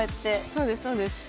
そうですそうです。